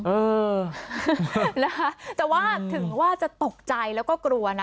เออนะคะแต่ว่าถึงว่าจะตกใจแล้วก็กลัวนะ